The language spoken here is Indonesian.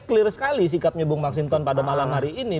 clear sekali sikapnya bapak mas hinton pada malam hari ini